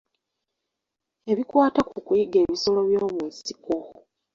Ebikwata ku kuyigga ebisolo byomunsiko.